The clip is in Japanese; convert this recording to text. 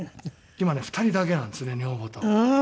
今ね２人だけなんですね女房と。